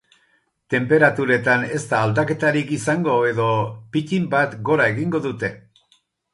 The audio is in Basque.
Tenperaturetan ez da aldaketarik izango edo pittin bat gora egingo dute.